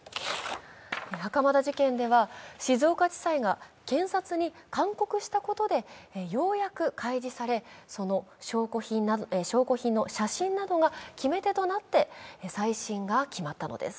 袴田事件では静岡地裁が検察に勧告したことでようやく、開示され証拠品の写真などが決め手となって再審が決まったのです。